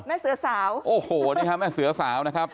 แม่เสือสาวโอ้โหนี่ฮะแม่เสือสาวนะครับ